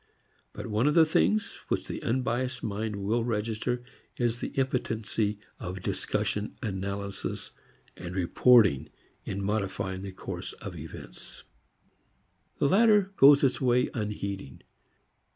But one of the things which the unbiased mind will register is the impotency of discussion, analysis and reporting in modifying the course of events. The latter goes its way unheeding.